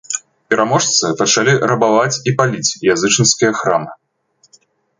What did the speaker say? Пераможцы пачалі рабаваць і паліць язычніцкія храмы.